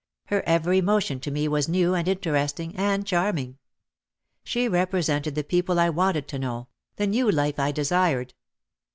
Her every motion to me was new and interesting and charming. She represented the people I wanted to know, the new life I desired.